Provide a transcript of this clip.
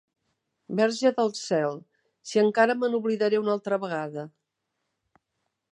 Verge del cel, si encara me n'oblidaré una altra vegada.